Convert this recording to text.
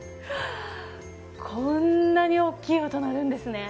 こんなに大きい音が鳴るんですね。